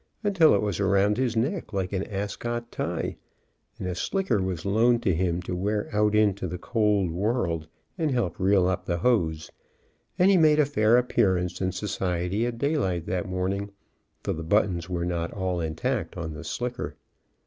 until it was around his neck like an Ascot tie, and a slicker was loaned to him to wear out into the cold, world and help reel up the hose, and he made a fair appearance in society at daylight that morning, though the buttons were not all intact on the slicker.